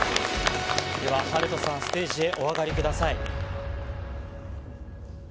では、暖人さん、ステージへお上がりください。